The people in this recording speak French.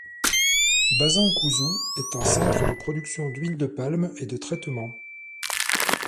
Basankusu est un centre de production d'huile de palme et de traitement.